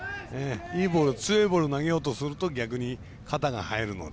いいボール、強いボール投げようとすると逆に肩が入るので。